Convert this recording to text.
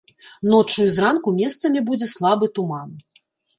Ноччу і зранку месцамі будзе слабы туман.